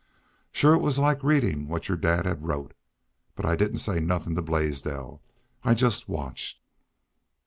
... Shore it was like readin' what your dad had wrote. But I didn't say nothin' to Blaisdell. I jest watched."